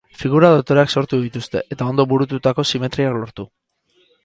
Figura dotoreak sortu dituzte, eta ondo burututako simetriak lortu.